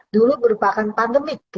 dulu berupakan pandemik